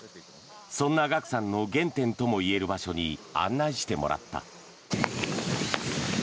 そんなＧＡＫＵさんの原点ともいえる場所に案内してもらった。